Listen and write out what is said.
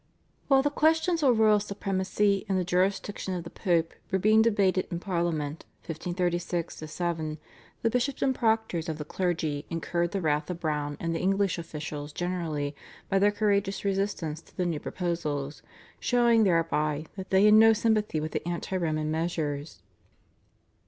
While the questions of royal supremacy and the jurisdiction of the Pope were being debated in Parliament (1536 7) the bishops and proctors of the clergy incurred the wrath of Browne and the English officials generally by their courageous resistance to the new proposals, showing thereby that they had no sympathy with the anti Roman measures.